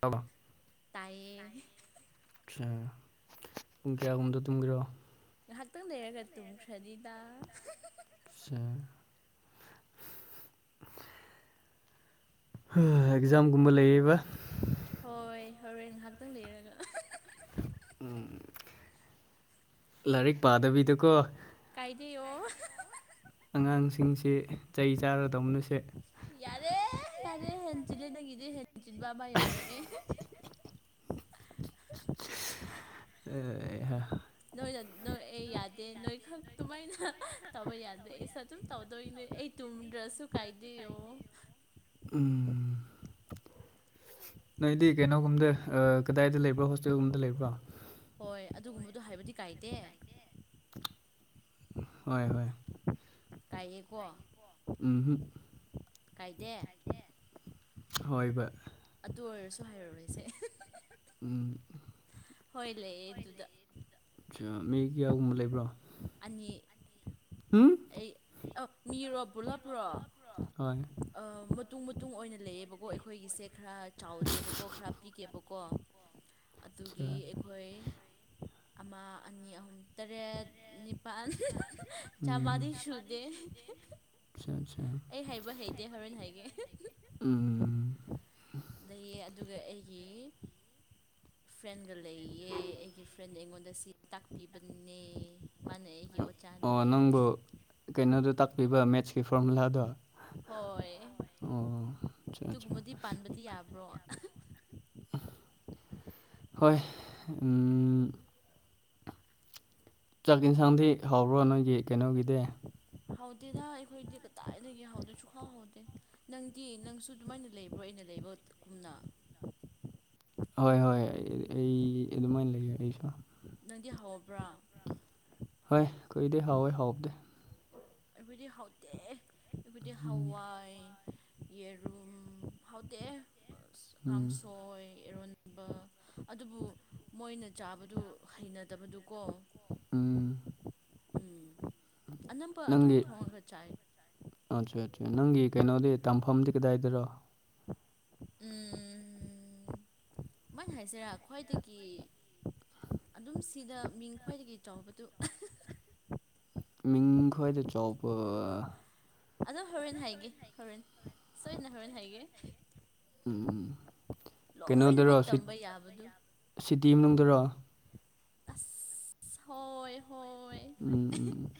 ꯇꯥꯕ꯭ꯔ ꯅꯥꯏꯌꯦ ꯁꯦꯝ ꯄꯨꯡ ꯀꯌꯥꯒꯨꯝꯗ ꯇꯨꯝꯒꯦꯔꯣ ꯉꯥꯍꯥꯛꯇꯪ ꯂꯩꯔꯒ ꯇꯨꯝꯈ꯭ꯔꯅꯤꯗ ꯁꯦ ꯍꯥ ꯑꯦꯛꯖꯥꯝꯒꯨꯝꯕ ꯂꯩꯌꯦꯕ ꯍꯣꯏ ꯍꯣꯔꯦꯟ ꯉꯥꯍꯥꯛꯇꯪ ꯂꯩꯔꯒ ꯎꯝ ꯂꯥꯏꯔꯤꯛ ꯄꯥꯗꯕꯤꯗꯀꯣ ꯀꯥꯏꯗꯩꯑꯣ ꯑꯉꯥꯡꯁꯤꯡꯁꯦ ꯆꯩ ꯆꯥꯔꯗꯧꯅꯁꯦ ꯌꯥꯔꯦ ꯌꯥꯔꯦ ꯍꯦꯟꯖꯤꯜꯂꯦ ꯅꯪ ꯒꯤꯗꯤ ꯍꯦꯟꯖꯤꯟꯕ ꯑꯃ ꯌꯥꯎꯔꯑꯦ ꯑꯦꯍꯥ ꯅꯣꯏꯅ ꯅꯣꯛꯑꯦ ꯌꯥꯗꯦ ꯅꯣꯏꯈꯛ ꯗꯨꯨꯃꯥꯏꯅ ꯇꯧꯕ ꯌꯥꯗꯦ ꯁꯠ ꯑꯗꯨꯝ ꯇꯧꯗꯣꯏꯅꯦ ꯑꯩ ꯇꯨꯝꯗ꯭ꯔꯁꯨ ꯀꯥꯏꯗꯦꯌꯣ ꯎꯝ ꯅꯣꯏꯗꯤ ꯀꯩꯅꯣꯒꯨꯝꯗ ꯑ ꯀꯗꯥꯏꯗ ꯂꯩꯕ꯭ꯔꯣ ꯍꯣꯁꯇꯦꯜꯒꯨꯝꯗ ꯂꯩꯕ꯭ꯔꯣ ꯍꯣꯏ ꯑꯗꯨꯒꯨꯝꯕꯗꯣ ꯍꯥꯏꯕꯗꯤ ꯀꯥꯏꯗꯦ ꯍꯣꯏ ꯍꯣꯏ ꯇꯥꯏꯌꯦꯀꯣ ꯎꯝ ꯍꯨꯝ ꯀꯥꯏꯗꯦ ꯍꯣꯏꯕ ꯑꯗꯨ ꯑꯣꯏꯔꯁꯨ ꯍꯥꯏꯔꯔꯣꯏꯁꯦ ꯎꯝ ꯍꯣꯏ ꯂꯩꯌꯦ ꯍꯣꯢ ꯑꯗꯨꯗ ꯂꯩꯌꯦ ꯃꯤ ꯀꯌꯥꯒꯨꯝꯕ ꯂꯩꯕ꯭ꯔꯣ ꯑꯅꯤ ꯎꯝ ꯑꯩ ꯑ ꯃꯤꯔꯣ ꯄꯨꯂꯞꯔꯣ ꯍꯣꯏ ꯑ ꯃꯇꯨꯡ ꯃꯇꯨꯡ ꯑꯣꯏꯅ ꯂꯩꯌꯦꯕꯀꯣ ꯑꯩꯈꯣꯏꯒꯤꯁꯦ ꯈꯔ ꯆꯥꯎꯗꯦꯕꯀꯣ ꯈꯔ ꯄꯤꯒꯦꯕ ꯀꯣ ꯑꯆꯥ ꯑꯗꯨꯒꯤ ꯑꯩꯈꯣꯏ ꯑꯃ ꯑꯅꯤ ꯑꯍꯨꯝ ꯇꯔꯦꯠ ꯅꯤꯄꯥꯜ ꯆꯥꯝꯃꯗꯤ ꯁꯨꯗꯦ ꯆꯥ ꯆꯥ ꯑꯩ ꯍꯥꯏꯕ ꯍꯩꯇꯦ ꯍꯣꯔꯦꯟ ꯍꯥꯏꯒꯦ ꯎꯝ ꯂꯩꯌꯦ ꯑꯗꯨꯒ ꯑꯩꯒꯤ ꯐ꯭ꯔꯦꯟꯒ ꯂꯩꯌꯦ ꯑꯩꯒꯤ ꯐ꯭ꯔꯦꯟꯗ ꯑꯩꯉꯣꯟꯗ ꯁꯤ ꯇꯥꯛꯄꯤꯕꯅꯦ ꯃꯥꯅ ꯑꯩ ꯑꯣ ꯅꯪꯕꯨ ꯀꯩꯅꯣꯗꯣ ꯇꯥꯛꯄꯤꯕ ꯃꯦꯠꯁꯀꯤ ꯐꯣꯔꯃꯨꯂꯥꯗꯣ ꯍꯣꯏ ꯑꯣ ꯑꯠꯆꯥ ꯑꯠꯆꯥ ꯑꯗꯨꯒꯨꯝꯕꯗꯤ ꯄꯥꯟꯕꯗꯤ ꯌꯥꯕ꯭ꯔꯣ ꯍꯣꯏ ꯎꯝ ꯆꯥꯛ ꯌꯦꯟꯁꯥꯡꯗꯤ ꯍꯥꯎꯕꯔꯣ ꯅꯣꯏꯒꯤ ꯀꯩꯅꯣꯒꯤꯗꯤ ꯍꯥꯎꯗꯦꯗꯥ ꯑꯩꯈꯣꯏꯗꯤ ꯀꯗꯥꯏꯗꯒꯤ ꯍꯥꯎꯗꯦ ꯁꯨꯛꯍꯥꯎ ꯍꯥꯎꯗꯦ ꯅꯪꯗꯤ ꯅꯪꯁꯨ ꯑꯗꯨꯃꯥꯏꯅ ꯂꯩꯕ꯭ꯔꯣ ꯑꯩꯅ ꯂꯩꯕꯒꯨꯝꯅ ꯍꯣꯏ ꯍꯣꯏ ꯑꯩ ꯑꯗꯨꯃꯥꯏꯅ ꯂꯩꯌꯦ ꯑꯩꯁꯨ ꯅꯪꯗꯤ ꯍꯥꯎꯕ꯭ꯔꯥ ꯍꯣꯏ ꯀꯨꯏꯗꯦ ꯍꯥꯎꯋꯦ ꯍꯥꯎꯕꯗꯦ ꯑꯩꯈꯣꯏꯗꯤ ꯍꯥꯎꯇꯦ ꯑꯩꯈꯣꯏꯗꯤ ꯎꯝ ꯍꯋꯥꯏ ꯌꯦꯔꯨꯝ ꯍꯥꯎꯇꯦꯍꯦ ꯎꯝ ꯀꯥꯡꯁꯣꯏ ꯏꯔꯣꯟ ꯕ ꯑꯗꯨꯕꯨ ꯃꯣꯏꯅ ꯆꯥꯕꯗꯨ ꯍꯩꯅꯗꯕꯗꯨꯀꯣ ꯎꯝ ꯎꯝ ꯑꯅꯝꯕ ꯑꯗꯨꯝ ꯅꯪꯒꯤ ꯊꯣꯡꯉꯒ ꯆꯥꯏ [unintelligible] ꯅꯪꯒꯤ ꯀꯩꯅꯣꯗꯤ ꯇꯝꯐꯝꯗꯤ ꯀꯗꯥꯏꯗꯔꯣ ꯎꯝ ꯃꯥꯏꯟ ꯍꯥꯏꯁꯤꯔꯥ ꯈ꯭ꯋꯥꯏꯗꯒꯤ ꯑꯗꯨꯝ ꯁꯤꯗ ꯃꯤꯡ ꯈ꯭ꯋꯥꯏꯗꯒꯤ ꯆꯥꯎꯕꯗꯨ ꯃꯤꯡ ꯈ꯭ꯋꯥꯏꯗꯩ ꯆꯥꯎꯕ ꯑꯗꯨ ꯍꯣꯔꯦꯟ ꯍꯥꯏꯒꯦ ꯍꯣꯔꯦꯟ ꯁꯣꯏꯗꯅ ꯍꯣꯔꯦꯟ ꯍꯥꯏꯒꯦ ꯎꯝ ꯎꯝ ꯀꯩꯅꯣꯗꯨꯔꯣ ꯂꯣꯏꯅꯃꯛ ꯇꯝꯕ ꯌꯥꯕꯗꯨ ꯁꯤꯇꯤ ꯃꯅꯨꯡꯗꯥꯔꯣ ꯑꯁ ꯍꯣꯏ ꯍꯣꯏ ꯎꯝ ꯎꯝ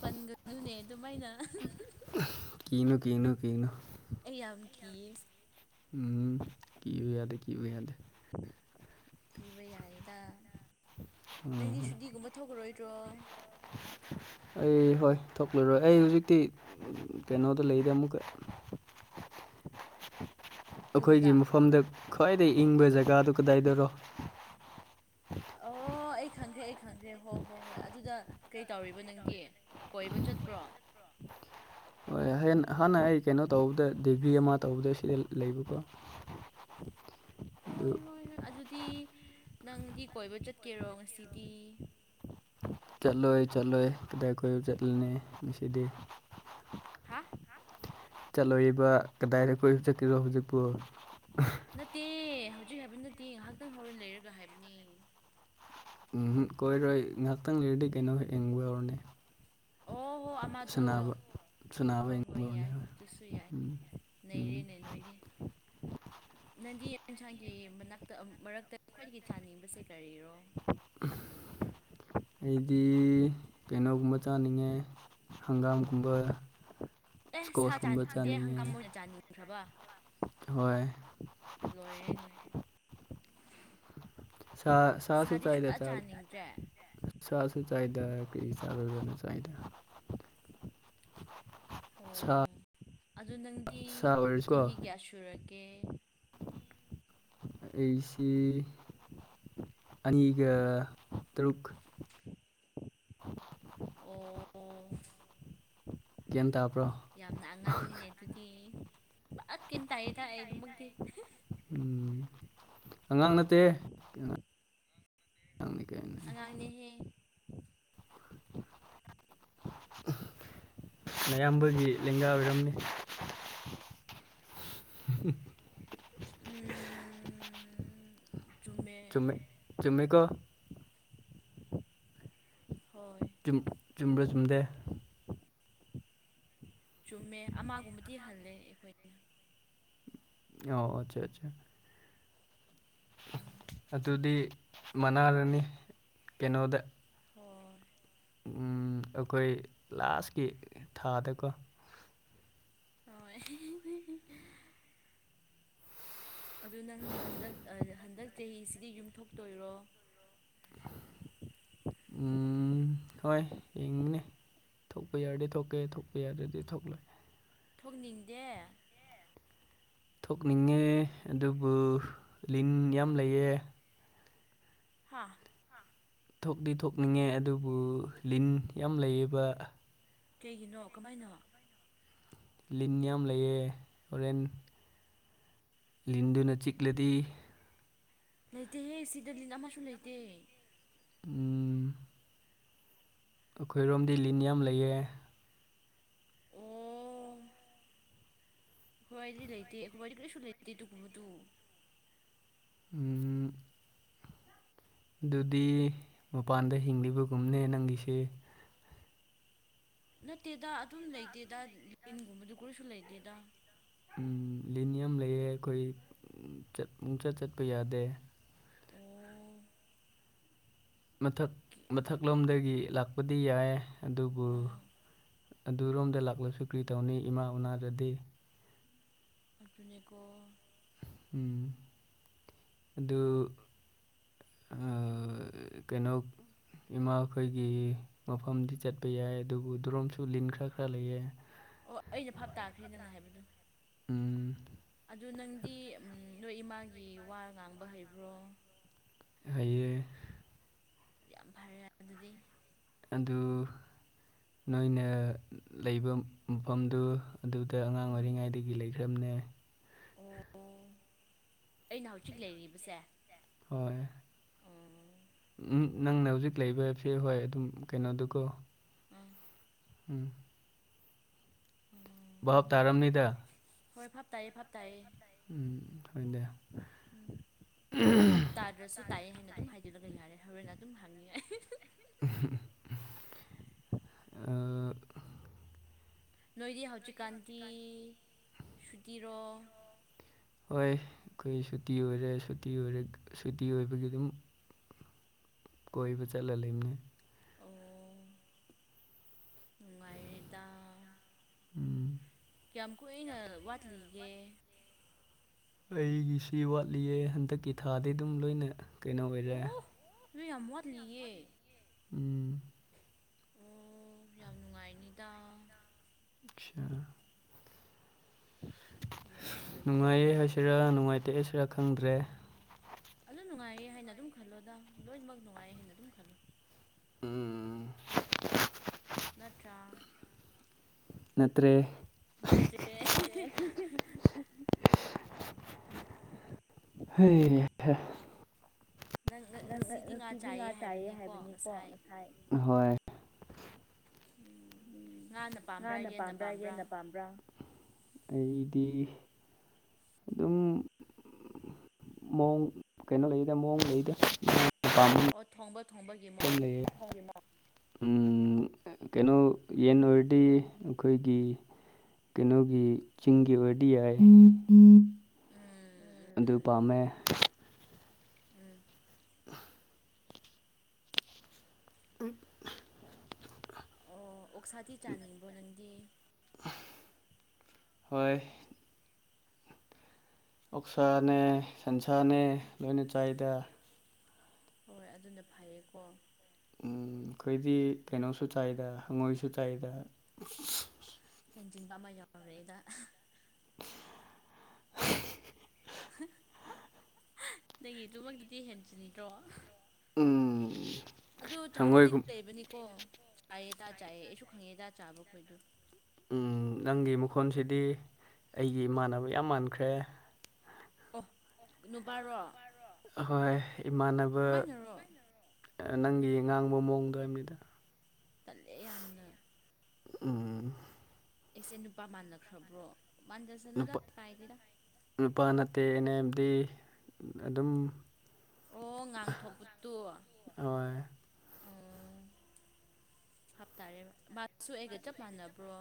ꯄꯟꯒꯅꯨꯅꯦ ꯑꯗꯨꯃꯥꯏꯅ ꯀꯤꯅꯨ ꯀꯤꯅꯨ ꯀꯤꯒꯅꯨ ꯑꯩ ꯌꯥꯝ ꯀꯤꯌꯦ ꯎꯝ ꯀꯤꯕ ꯌꯥꯗꯦ ꯀꯤꯕ ꯌꯥꯗꯦ ꯀꯤꯕ ꯌꯥꯏꯌꯦꯗ ꯎꯝ ꯅꯪꯗꯤ ꯁꯨꯗꯤꯒꯨꯝꯕ ꯊꯣꯛꯈꯥꯔꯣꯏꯗ꯭ꯔꯣ ꯑꯩ ꯍꯣꯏ ꯊꯣꯛꯂꯔꯣꯏ ꯑꯩ ꯍꯨꯖꯤꯛꯇꯤ ꯀꯩꯅꯣꯗ ꯂꯩꯗ ꯑꯃꯨꯛꯀꯥ ꯑꯈꯣꯏꯒꯤ ꯌꯨꯝꯗ ꯃꯐꯝꯗ ꯈ꯭ꯋꯥꯏꯗꯒꯤ ꯏꯪꯕ ꯖꯒꯥꯗꯨ ꯀꯗꯥꯏꯗꯔꯣ ꯑꯣ ꯑꯩ ꯈꯪꯈ꯭ꯔꯦ ꯑꯩ ꯈꯪꯈ꯭ꯔꯦ ꯍꯣꯏ ꯍꯣꯏ ꯍꯣꯏ ꯑꯗꯨꯗ ꯀꯩ ꯇꯧꯔꯤꯕ ꯅꯪꯒꯤ ꯀꯣꯏꯕ ꯆꯠꯄ꯭ꯔꯣ [unintelligible] ꯑꯍꯥꯟꯅ ꯑꯩ ꯀꯩꯅꯣ ꯇꯧꯕꯗ ꯗꯤꯒ꯭ꯔꯤ ꯑꯃ ꯇꯧꯕꯗ ꯁꯤꯗ ꯂꯩꯕꯀꯣ ꯍꯣꯏ ꯑꯗꯨ ꯍꯣꯏ ꯍꯣꯏ ꯑꯗꯨꯗꯤ ꯅꯪꯗꯤ ꯀꯣꯏꯕ ꯆꯠꯀꯦꯔꯣ ꯉꯁꯤꯗꯤ ꯆꯠꯂꯣꯏ ꯆꯠꯂꯣꯏ ꯀꯗꯥꯏ ꯀꯣꯏꯕ ꯆꯠꯂꯨꯅꯤ ꯉꯁꯤꯗꯤ ꯍꯥ ꯆꯠꯂꯣꯏꯕ ꯀꯗꯥꯏꯗ ꯀꯣꯏꯕ ꯆꯠꯀꯦꯔꯣ ꯍꯨꯖꯤꯛꯄꯨ ꯅꯠꯇꯦ ꯍꯧꯖꯤꯛ ꯍꯥꯏꯕ ꯅꯠꯇꯦ ꯉꯥꯏꯍꯥꯛꯇꯪ ꯍꯧꯔꯦꯟ ꯂꯩꯔꯒ ꯍꯥꯏꯕꯅꯦ ꯎꯝꯍꯝ ꯀꯣꯏꯔꯣꯏ ꯉꯥꯏꯍꯥꯛꯇꯪ ꯂꯩꯔꯗꯤ ꯀꯩꯅꯣ ꯍꯦꯛ ꯌꯦꯡꯕ ꯌꯧꯔꯅꯦ ꯑꯣ ꯍꯣ ꯑꯃꯥꯗꯨ ꯁꯥꯟꯅꯕ ꯍꯣ ꯌꯦꯡꯕ ꯍꯣꯏ ꯍꯧꯔꯅꯤ ꯌꯥꯏ ꯑꯗꯨꯁꯨ ꯌꯥꯏ ꯎꯝ ꯎꯝ ꯅꯩꯔꯦꯅꯦ ꯅꯣꯏꯗꯤ ꯅꯪꯗꯤ ꯌꯦꯟꯁꯥꯡꯒꯤ ꯃꯅꯥꯛꯇꯥ ꯃꯔꯛꯇꯥ ꯈ꯭ꯋꯥꯏꯗꯒꯤ ꯆꯥꯅꯤꯡꯕꯁꯦ ꯀꯔꯤꯔꯣ ꯑꯩꯗꯤ ꯀꯩꯅꯣꯒꯨꯝꯕ ꯆꯥꯅꯤꯡꯉꯦ ꯍꯪꯒꯥꯝꯒꯨꯝꯕ ꯏꯁꯀꯣꯁꯀꯨꯝꯕ ꯆꯥꯅꯤꯡꯉꯦ ꯈ꯭ꯔꯥꯕ ꯍꯣꯏ ꯂꯣꯏꯔꯦꯅꯦ ꯁꯥ ꯁꯥꯁꯨ ꯁꯥꯗꯤ ꯆꯥꯏꯗ ꯁꯨꯡꯆꯥ ꯆꯥꯕ ꯆꯥꯅꯤꯡꯗ꯭ꯔꯦ ꯁꯥꯁꯨ ꯆꯥꯏꯗꯥ ꯀꯔꯤꯒꯤ [unintelligible] ꯆꯥꯏꯗ ꯑꯣ ꯁꯥ ꯑꯗꯨ ꯅꯪꯗꯤ ꯁꯥ ꯑꯣꯏꯔꯁꯨꯀꯣ ꯆꯍꯤ ꯀꯌꯥ ꯁꯨꯔꯀꯦ ꯑꯩꯁꯤ ꯑꯅꯤꯒ ꯇꯔꯨꯛ ꯑꯣ [inaudible] ꯒꯌꯥꯟ ꯇꯕ꯭ꯔꯣ ꯌꯥꯝꯅ ꯑꯉꯥꯡꯅꯤꯅꯦ ꯑꯗꯨꯗꯤ [unintelligible] ꯎꯝ ꯑꯉꯥꯡ ꯅꯠꯇꯦ ꯑꯉꯥꯡꯅꯤ ꯀꯩꯅꯣ ꯑꯉꯥꯡꯅꯦꯍꯦ ꯅꯌꯥꯝꯕꯒꯤ ꯂꯦꯡꯒꯥ ꯑꯣꯏꯔꯝꯃꯤ [unintelligible] ꯎꯝ ꯆꯨꯝꯃꯦ [unintelligible] ꯆꯨꯝꯃꯦꯀꯣ ꯍꯣꯏ [unintelligible] ꯆꯨꯝꯕ꯭ꯔꯥ ꯆꯨꯝꯗꯦ ꯆꯨꯝꯃꯦ ꯑꯃꯒꯨꯝꯕꯗꯤ ꯍꯜꯂꯦ ꯑꯩꯈꯣꯏ ꯑꯣ ꯑꯠꯆꯥ ꯑꯆꯥ ꯎꯝ ꯑꯗꯨꯗꯤ ꯃꯅꯥꯔꯅꯤ ꯀꯩꯅꯣꯗ ꯍꯣꯏ ꯑꯩꯈꯣꯏ ꯂꯥꯁꯀꯤ ꯊꯥꯗꯀꯣ ꯍꯣꯏ ꯑꯗꯨ ꯅꯪ ꯍꯟꯗꯛ ꯍꯟꯗꯛ ꯆꯍꯤꯁꯤꯗꯤ ꯌꯨꯝ ꯊꯣꯛꯇꯣꯏꯔꯣ [inaudible] ꯎꯝ ꯎꯝ ꯍꯣꯏ ꯌꯦꯡꯅꯤ ꯊꯣꯛꯄ ꯌꯥꯔꯗꯤ ꯊꯣꯛꯀꯦ ꯊꯣꯛꯄ ꯌꯥꯗꯔꯗꯤ ꯊꯣꯛꯂꯣꯏ ꯊꯣꯛꯅꯤꯡꯗꯦ ꯊꯣꯛꯅꯤꯡꯉꯦ ꯑꯗꯨꯕꯨ ꯂꯤꯟ ꯌꯥꯝ ꯂꯩꯌꯦ ꯍꯥꯥ ꯊꯣꯛꯇꯤ ꯊꯣꯛꯅꯤꯡꯉꯦ ꯑꯗꯨꯕꯨ ꯂꯤꯟ ꯌꯥꯝ ꯂꯩꯌꯦꯕ ꯀꯩꯒꯤꯅꯣ ꯀꯃꯥꯏꯅ ꯂꯤꯟ ꯌꯥꯝ ꯂꯩꯌꯦ ꯍꯣꯔꯦꯟ ꯂꯤꯟꯗꯨꯅ ꯆꯤꯛꯂꯗꯤ ꯂꯩꯇꯦꯍꯦ ꯁꯤꯗ ꯂꯤꯟ ꯑꯃꯁꯨ ꯂꯩꯇꯦ ꯎꯝ ꯑꯩꯈꯣꯏꯔꯣꯝꯗꯤ ꯂꯤꯟ ꯌꯥꯝ ꯂꯩꯌꯦ ꯑꯣ ꯑꯈꯣꯏꯗꯤ ꯂꯩꯇꯦ ꯑꯥꯈꯣꯏꯗꯤ ꯀꯔꯤꯁꯨ ꯂꯩꯇꯦ ꯑꯥꯗꯨꯀꯨꯝꯕꯗꯨ ꯎꯝ ꯑꯗꯨꯗꯤ ꯃꯄꯥꯟꯗ ꯍꯤꯡꯂꯤꯕꯒꯨꯝꯅꯦ ꯅꯪꯒꯤꯁꯦ ꯅꯠꯇꯦꯗ ꯑꯗꯨꯝ ꯂꯩꯇꯦꯗ ꯂꯤꯟꯒꯨꯝꯕꯗꯨ ꯀꯔꯤꯁꯨ ꯂꯩꯇꯦꯗ ꯂꯤꯅꯤꯌꯝ ꯂꯩꯌꯦ ꯑꯩꯈꯣꯏ ꯆꯠ ꯄꯨꯡꯆꯠ ꯆꯠꯄ ꯌꯥꯗꯦ ꯑꯣ ꯃꯊꯛ ꯃꯊꯛꯂꯣꯝꯗꯒꯤ ꯂꯥꯛꯄꯗꯤ ꯌꯥꯏ ꯑꯗꯨꯕꯨ꯫ ꯑꯥ ꯑꯗꯨꯔꯣꯝꯗ ꯂꯥꯛꯂꯁꯨ ꯀ꯭ꯔꯤ ꯇꯧꯅꯤ ꯏꯃꯥ ꯎꯅꯥꯗꯔꯗꯤ꯫ ꯑꯗꯨꯅꯦꯀꫭ꯫ ꯎꯝ ꯑꯗꯨ꯫ ꯑꯥ, ꯫ [inaudible] ꯀꯩꯅꯣ ꯏꯃꯥꯈꯣꯏꯒꯤ꯫ ꯃꯐꯝꯗꯤ ꯆꯠꯄ ꯌꯥꯏ ꯑꯗꯨꯕꯨ ꯗ꯭ꯔꯣꯝꯁꯨ ꯂꯤꯟ ꯈꯔ ꯈꯔ ꯂꯩꯑꯦ꯫ ꯑꯣ ꯑꯩꯩꯅ ꯚꯥꯞ ꯇꯥꯈ꯭ꯔꯦ ꯅꯪꯅ ꯍꯥꯏꯕꯗꯨ꯫ ꯎꯝ꯫ ꯑꯗꯨ ꯅꯪꯗꯤ ꯅꯣꯏ ꯏꯃꯥꯒꯤ ꯋꯥ ꯉꯥꯡꯕ ꯍꯩꯕ꯭ꯔꯣ꯫ ꯍꯩꯌꯦ꯫ ꯌꯥꯝ ꯐꯔꯦ ꯑꯗꯨꯗꯤ꯫ ꯑꯗꯨ ꯅꯣꯏꯅ ꯂꯩꯕ ꯃꯐꯝꯗꯨ꯫ ꯑꯗꯨꯗ ꯑꯉꯥꯡ ꯎꯝ ꯑꯣꯏꯔꯤꯉꯩꯗꯒꯤ ꯂꯩꯈ꯭ꯔꯝꯅ‌ꯦ꯫ ꯑꯣ ꯑꯩꯅ ꯍꯧꯖꯤꯛ ꯂꯩꯔꯤꯕꯁꯦ꯫ ꯍꯣꯏ꯫ ꯎꯝ꯫ ꯅꯪꯅ ꯍꯧꯖꯤꯛ ꯂꯩꯕꯁꯦ ꯍꯣꯏ ꯑꯗꯨꯝ ꯀꯩꯅꯣꯗꯨꯀꯣ꯫ ꯎꯝ꯫ ꯎꯝ꯫ ꯎꯝ꯫ ꯚꯥꯞ ꯇꯥꯔꯝꯅꯤꯗ꯫ ꯍꯣꯏ ꯕꯥꯞ ꯇꯥꯏꯌꯦ ꯕꯥꯞ ꯇꯥꯏꯌꯦ꯫ ꯎꯝ ꯍꯣꯏꯅꯦ꯫ ꯫ [inaudible] ꯚꯥꯞ ꯇꯥꯗ꯭ꯔꯁꯨ ꯇꯥꯏꯑꯦ ꯍꯥꯏꯅ ꯑꯗꯨꯝ ꯍꯥꯏꯖꯤꯜꯂꯒ ꯌꯥꯔꯦ ꯍꯣꯔꯦꯟ ꯑꯗꯨꯝ ꯍꯪꯅꯤꯡꯉꯥꯏ꯫ ꯑꯥ꯫ ꯅꯣꯏꯗꯤ ꯍꯧꯎꯖꯤꯛ ꯀꯥꯟꯗꯤ ꯁꯨꯇꯤꯔꯣ꯫ ꯍꯣꯏ ꯑꯈꯣꯏ ꯁꯨꯇꯤ ꯑꯣꯏꯔꯦ ꯁꯨꯇꯤ ꯑꯣꯏꯔꯦ ꯁꯨꯇꯤ ꯑꯣꯏꯕꯒꯤ ꯑꯗꯨꯝ꯫ ꯀꯣꯏꯕ ꯆꯠꯂ ꯂꯩꯌꯦ ꯑꯣ ꯅꯨꯡꯉꯥꯏꯔꯦꯗ꯫ ꯎꯝ꯫ ꯀꯌꯥꯝ ꯀꯨꯏꯅ ꯋꯥꯠꯂꯤꯒꯦ꯫ ꯑꯩꯒꯤꯁꯤ ꯋꯥꯠꯂꯤꯌꯦ ꯍꯟꯗꯛꯀꯤ ꯊꯥꯗꯤ ꯑꯗꯨꯝ ꯂꯣꯏꯅ ꯀꯩꯅꯣ ꯑꯣꯏꯔꯦ꯫ ꯅꫭꯏ ꯌꯥꯝ ꯌꯥꯠꯂꯤꯌ‌ꯦ꯫ ꯎꯝ꯫ ꯑꯣ ꯌꯥꯝ ꯅꯨꯡꯉꯥꯏꯅꯤꯗ꯫ ꯈꯤꯌꯥ꯫ [unintelligible] ꯌꯥꯝꯅ ꯅꯨꯡꯉꯥꯏꯌꯦ ꯂꯩꯕ ꯍꯥꯏꯁꯤꯔꯥ ꯅꯨꯡꯉꯥꯏꯇꯦ ꯍꯥꯏꯁꯤꯔꯥ ꯈꯪꯗ‌ꯦ꯫ ꯑꯗꯨ ꯅꯨꯡꯉꯥꯏꯌꯦ ꯍꯥꯏꯅ ꯑꯗꯨꯝ ꯈꯜꯂꯣꯗ ꯂꯣꯏꯅꯃꯛ ꯅꯨꯡꯉꯥꯏꯌꯦ ꯍꯥꯏꯅ ꯑꯗꯨꯝ ꯈꯜꯂꯣ꯫ ꯎꯝ꯫ ꯅꯠꯇ꯭ꯔꯥ ꯅꯠꯇ꯭ꯔꯦ ꯅꯠꯇ‌ꯦ꯫ ꯫ [unintelligible] ꯍꯩ ꯍꯥ꯫ ꯅꯪ ꯉꯁꯤꯗꯤ ꯉꯥ ꯆꯥꯏꯌꯦ ꯍꯥꯏꯕꯅꯤꯀꯣ ꯉꯁꯥꯏ ꯍꫭꯏ꯫ ꯎꯝ ꯉꯥꯅ ꯄꯥꯝꯕ꯭ꯔꯥ ꯌꯦꯟꯅ ꯄꯥꯝꯕ꯭ꯔꯥ꯫ ꯑꯩꯗꯤ ꯑꯗꯨꯝ꯫ ꯃꯑꯣꯡ ꯀꯩꯅꯣ ꯂꯩꯗ ꯃꯑꯣꯡ ꯂꯩꯗ꯫ ꯑꯣ ꯊꯣꯡꯕ ꯃꯇꯝ ꯊꯣꯡꯕꯒꯤꯃꯣꯡ꯫ ꯂꯩꯌꯦ ꯎꯝ ꯀꯩꯅꯣ ꯌꯦꯟ ꯑꯣꯏꯔꯗꯤ꯫ ꯑꯩꯈꯣꯏꯒꯤ ꯀꯩꯅꯣꯒꯤ ꯆꯤꯡꯒꯤ ꯑꯣꯏꯔꯗꯤ ꯌꯥꯏ ꯎꯝ ꯎꯝ ꯑꯗꯨ ꯎꯝ ꯄꯥꯝꯃꯦ ꯎꯝ [inaudible] ꯑꯣ ꯑꯣꯛꯁꯥꯗꯤ ꯆꯥꯅꯤꯡꯕ꯭ꯔꯣ ꯅꯪꯗꯤ ꯍꯣꯏ ꯑꯣꯛꯁꯥꯅꯦ ꯁꯟꯁꯥꯅꯦ ꯂꯣꯏꯅ ꯆꯥꯏꯗ ꯍꯣꯏ ꯑꯗꯨꯅ ꯐꯩꯌꯦꯀꯣ ꯎꯝ ꯈꯣꯏꯗꯤ ꯀꯩꯅꯣꯁꯨ ꯆꯥꯏꯗ ꯍꯪꯉꯣꯏꯁꯨ ꯆꯥꯏꯗ ꯍꯦꯟꯖꯤꯟꯕ ꯑꯃ ꯌꯥꯎꯔꯦꯗ ꯅꯪꯒꯤ ꯑꯗꯨꯃꯛꯇꯨꯗꯤ ꯍꯦꯟꯖꯤꯟꯗ꯭ꯔꯣ ꯎꯝ ꯑꯗꯣ ꯆꯥꯕꯗꯤ ꯍꯪꯉꯣꯏꯒꯨꯝ ꯂꯩꯕꯅꯤꯀꯣ ꯆꯥꯏꯌꯦꯗ ꯆꯥꯏꯌꯦ ꯑꯩꯁꯨ ꯈꯪꯉꯦꯗꯥ ꯆꯥꯕꯈꯣꯏꯗꯨ ꯎꯝ ꯅꯪꯒꯤ ꯃꯈꯣꯟꯁꯤꯗꯤ ꯑꯩꯒꯤ ꯏꯃꯥꯟꯅꯕ ꯌꯥꯝ ꯃꯥꯟꯈ꯭ꯔꯦ ꯑꯣ ꯅꯨꯕꯥꯔꯣ ꯑꯍꯣꯏ ꯏꯃꯥꯟꯅꯕ ꯀꯃꯥꯏꯅꯔꯣ ꯅꯪꯒꯤ ꯉꯥꯡꯕ ꯃꯑꯣꯡꯗꯣ ꯍꯥꯏꯝꯅꯤꯗ ꯇꯜꯂꯦ ꯌꯥꯝꯅ ꯎꯝ ꯑꯦꯁꯦ ꯅꯨꯄꯥ ꯃꯥꯟꯅꯈ꯭ꯔꯕ꯭ꯔꯣ ꯃꯥꯟꯖꯁꯅꯨꯗ ꯅꯨꯄꯥ ꯀꯥꯏꯗꯦꯗꯥ ꯅꯨꯄꯥ ꯅꯠꯇꯦ ꯑꯩꯅꯥ ꯍꯥꯏꯕꯗꯤ ꯑꯗꯨꯝ ꯑꯣ ꯉꯥꯡꯊꯣꯛꯄꯗꯨ ꯍꯣꯏ ꯑꯣ ꯚꯥꯞ ꯇꯥꯔꯦꯕ ꯃꯥꯁꯨ ꯑꯩꯒ ꯆꯞ ꯃꯥꯟꯅꯕ꯭ꯔꯣ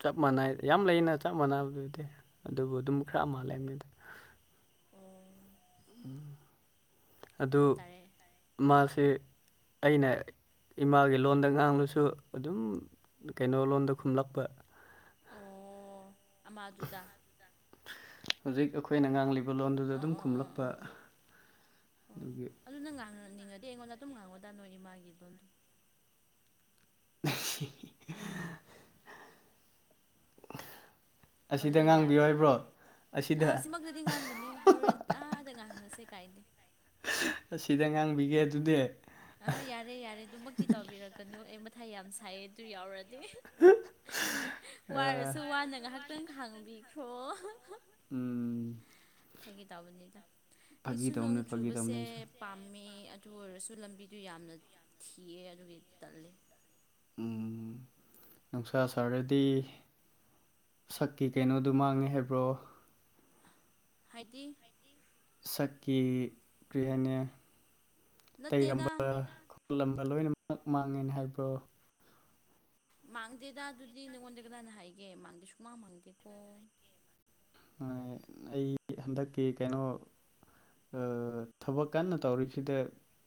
ꯆꯞ ꯃꯥꯟꯅꯩ ꯌꯥꯝ ꯂꯩꯅ ꯆꯞ ꯃꯥꯟꯅꯕꯗꯨꯗꯤ ꯑꯗꯨꯕꯨ ꯑꯗꯨꯝ ꯈꯔ ꯃꯥꯜꯂꯦ ꯍꯥꯏꯕꯅꯤꯗ ꯑꯣ ꯑꯗꯨ ꯚꯥꯞ ꯇꯥꯔꯦ ꯃꯥꯁꯦ ꯑꯩꯅ ꯏꯃꯥꯒꯤ ꯂꯣꯟꯗ ꯉꯥꯡꯂꯁꯨ ꯑꯗꯨꯝ ꯀꯩꯅꯣ ꯂꯣꯟꯗ ꯈꯨꯝꯂꯛꯄ ꯑꯣ ꯑꯃꯗꯨꯗ ꯍꯧꯖꯤꯛ ꯑꯈꯣꯏꯅ ꯉꯥꯡꯂꯤꯕ ꯂꯣꯟꯗꯨꯗ ꯑꯣ ꯑꯗꯨꯝ ꯑꯣ ꯑꯣ ꯈꯨꯝꯂꯛꯄ ꯑꯣ ꯑꯣ ꯑꯣ ꯑꯗꯨꯒꯤ ꯑꯗꯨ ꯅꯪ ꯉꯥꯡꯅꯅꯤꯡꯉꯗꯤ ꯑꯩꯉꯣꯟꯗ ꯑꯗꯨꯝ ꯉꯥꯡꯉꯣꯗꯥꯥ ꯅꯣꯏ ꯏꯃꯥꯒꯤ ꯂꯣꯟꯗꯣ [inaudible] ꯑꯁꯤꯗ ꯉꯥꯡꯕꯤꯌꯨ ꯍꯥꯏꯕ꯭ꯔꯣ ꯑꯁꯤꯗ ꯃꯛꯇꯗꯤ ꯉꯥꯡꯒꯅꯨ ꯍꯧꯔꯦꯟ ꯇꯥꯗ ꯉꯥꯡꯅꯁꯦ ꯀꯥꯏꯗꯦ ꯑꯁꯤꯗ ꯉꯥꯡꯕꯤꯒꯦ ꯑꯗꯨꯗꯤ ꯑꯥ ꯌꯥꯔꯦ ꯌꯥꯔꯦ ꯑꯗꯨꯃꯛꯇꯤ ꯇꯧꯕꯤꯔꯛꯀꯅꯨ ꯑꯩ ꯃꯊꯥ ꯌꯥꯝ ꯁꯥꯏꯌꯦ ꯑꯗꯨ ꯌꯥꯎꯔꯗꯤ ꯑꯥ ꯋꯥꯔꯁꯨ ꯋꯥꯅ ꯉꯥꯏꯍꯥꯛꯇꯪ ꯈꯥꯡꯕꯤꯈ꯭ꯔꯣ ꯎꯝ ꯐꯥꯒꯤ ꯇꯧꯕꯅꯤꯗ ꯐꯥꯒꯤ ꯑꯩꯁꯨ ꯅꯣꯡ ꯇꯧꯅꯦ ꯐꯥꯒꯤ ꯇꯧꯅꯦ ꯆꯨꯕꯁꯦ ꯑꯩꯁꯨ ꯄꯥꯝꯃꯦ ꯇꯨ ꯑꯣꯏꯔꯁꯨ ꯂꯝꯕꯤꯗꯨ ꯌꯥꯝꯅ ꯊꯤꯌꯦ ꯑꯗꯨꯒꯤ ꯇꯜꯂꯦ ꯎꯝ ꯅꯨꯡꯁꯥ ꯁꯥꯔꯗꯤ ꯁꯛꯀꯤ ꯀꯩꯅꯣꯗꯨ ꯃꯥꯡꯉꯦ ꯍꯥꯏꯕ꯭ꯔꯣ ꯍꯥꯏꯗꯤ ꯁꯛꯀꯤ ꯀꯔꯤ ꯍꯥꯏꯅꯤ ꯅꯠꯇꯦꯗ ꯇꯩꯔꯝꯕ ꯂꯝꯕ ꯂꯣꯏꯅꯃꯛ ꯃꯥꯡꯉꯦꯅ ꯍꯥꯏꯕ꯭ꯔꯣ ꯃꯥꯡꯗꯦꯗ ꯑꯗꯨꯗꯤ ꯅꯪꯉꯣꯟꯗ ꯀꯅꯥꯅ ꯍꯥꯏꯒꯦ ꯃꯥꯡꯗꯦ ꯁꯨꯡꯃꯥꯡ ꯃꯥꯡꯗꯦꯀꯣ ꯍꯣꯏ ꯑꯩ ꯍꯟꯗꯛꯀꯤ ꯀꯩꯅꯣ ꯑꯥ ꯊꯕꯛ ꯀꯟꯅ ꯇꯧꯔꯤꯕꯁꯤꯗ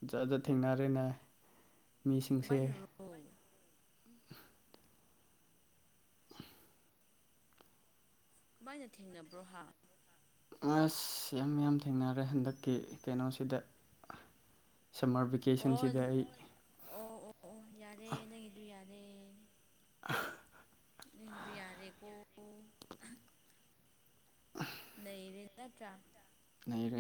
ꯖꯠ ꯖꯥꯠ ꯊꯦꯡꯅꯔꯦꯅ‌ꯦ ꯃꯤꯁꯤꯡꯁꯦ [unintelligible] ꯀꯃꯥꯏꯅ ꯊꯦꯡꯅꯕ꯭ꯔꯣ ꯍꯥ ꯑꯁ ꯌꯥꯝ ꯌꯥꯝ ꯊꯦꯡꯅꯔꯦ ꯍꯟꯗꯛꯀꯤ ꯀꯩꯅꯣꯁꯤꯗ ꯁꯃꯔ ꯕꯤ ꯑꯣ ꯀꯦꯁꯟꯁꯤꯗ ꯑꯩ ꯑꯣ ꯑꯣ ꯑꯣ ꯌꯥꯔꯦ ꯅꯪꯒꯤꯗꯨ ꯌꯥꯔꯦ [unintelligible] ꯅꯪꯒꯤꯗꯣ ꯌꯥꯔꯦꯀꯣ [unintelligible] ꯅꯩꯔꯦ ꯅꯠꯇ꯭ꯔꯥ ꯅꯩꯔꯦ